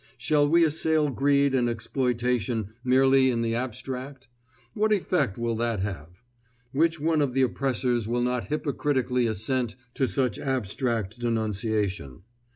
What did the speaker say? Shall we assail greed and exploitation merely in the abstract? What effect will that have? Which one of the oppressors will not hypocritically assent to such abstract denunciation?